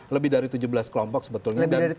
lebih dari tujuh belas kelompok sebetulnya